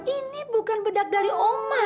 ini bukan bedak dari oma